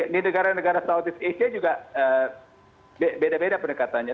di negara negara southeast asia juga beda beda pendekatannya